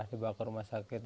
dibawa ke rumah sakit